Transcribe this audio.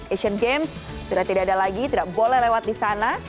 asian games sudah tidak ada lagi tidak boleh lewat di sana